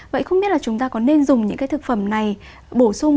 vậy không biết là chúng ta có nên dùng những cái thực phẩm này bổ sung